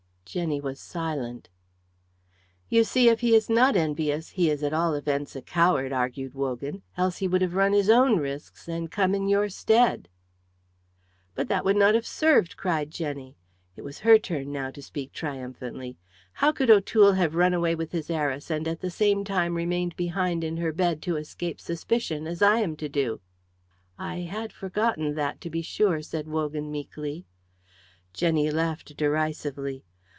Jenny was silent. "You see, if he is not envious, he is at all events a coward," argued Wogan, "else he would have run his own risks and come in your stead." "But that would not have served," cried Jenny. It was her turn now to speak triumphantly. "How could O'Toole have run away with his heiress and at the same time remained behind in her bed to escape suspicion, as I am to do?" "I had forgotten that, to be sure," said Wogan, meekly. Jenny laughed derisively.